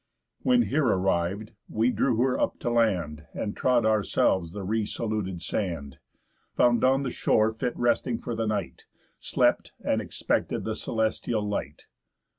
When here arriv'd, we drew her up to land, And trod ourselves the re saluted sand, Found on the shore fit resting for the night, Slept, and expected the celestial light.